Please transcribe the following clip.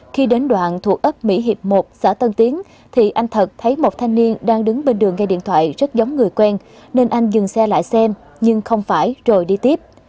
khi đến đoạn thuộc ấp mỹ hiệp một xã tân tiến thì anh thật thấy một thanh niên đang đứng bên đường nghe điện thoại rất giống người quen nên anh dừng xe lại xem nhưng không phải rồi đi tiếp